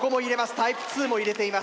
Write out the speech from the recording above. タイプ２も入れています。